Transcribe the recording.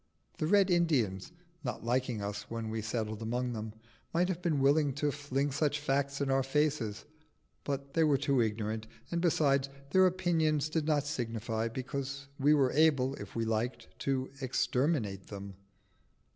The Red Indians, not liking us when we settled among them, might have been willing to fling such facts in our faces, but they were too ignorant, and besides, their opinions did not signify, because we were able, if we liked, to exterminate them.